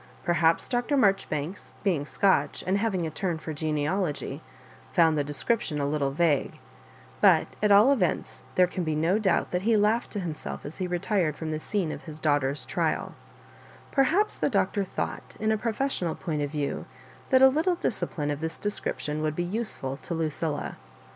Perhaps Dr. Marjoribanks being Scotch, and having a turn for genealogy, found the description a little vague ; but at all events there can be no doubt that he laughed to himself as he retired fh>m the scene of his daughter's trial Perhaps the Doc tor thought, in a professional point of view, that a little discipline of this description would be useful to Lucilla.